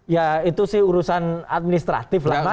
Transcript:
ya itu sih urusan administratif lah